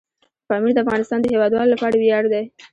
پامیر د افغانستان د هیوادوالو لپاره ویاړ دی.